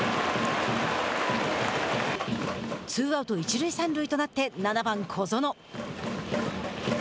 ツーアウト、一塁三塁となって７番小園。